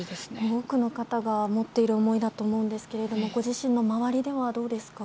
多くの方が持っている思いだと思うんですけどご自身の周りではどうですか？